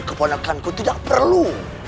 keponakan ku tidak perlu